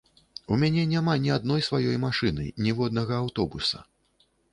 У мяне няма ні адной сваёй машыны, ніводнага аўтобуса.